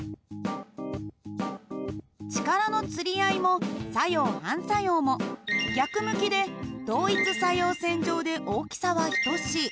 力のつり合いも作用・反作用も逆向きで同一作用線上で大きさは等しい。